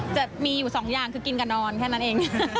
จะมีอยู่สองอย่างคือกินกับนอนแค่นั้นเอง